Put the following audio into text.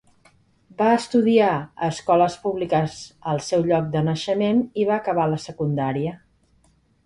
Va estudiar a escoles públiques al seu lloc de naixement, i va acabar la secundària.